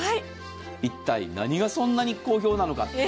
一体何がそんなに好評なのか。